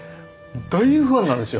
大ファンなんですよ！